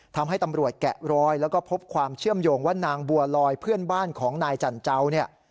ทำให้ตำรวจแกะรอยแล้วก็พบความเชื่อมโยงว่านางบัวลอยเพื่อนบ้านของนายจันเจ้าเนี่ย